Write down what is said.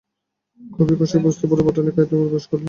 খুব কষে পুশতু পড়লে, পাঠানি কায়দাকানুন অভ্যেস করলে।